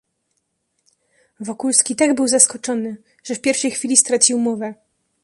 "Wokulski tak był zaskoczony, że w pierwszej chwili stracił mowę."